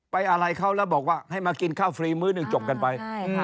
อะไรเขาแล้วบอกว่าให้มากินข้าวฟรีมื้อหนึ่งจบกันไป